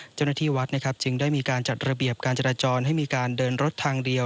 เจ้าหน้าที่วัดนะครับจึงได้มีการจัดระเบียบการจราจรให้มีการเดินรถทางเดียว